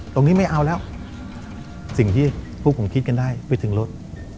ตรงนี้ไม่เอาแล้วสิ่งที่พวกผมคิดกันได้ไปถึงรถ